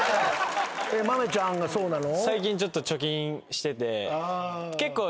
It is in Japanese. まめちゃんがそうなの？